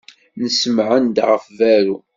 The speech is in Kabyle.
Nsemɛen-d ɣef berru.